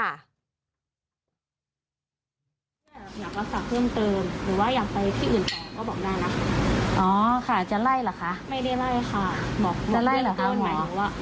แล้วถ้าอยากรักษาที่แบบว่าถ้าไม่ได้คิดว่าตรงนี้มันรักษาไม่พอ